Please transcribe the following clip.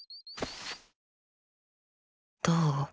どう？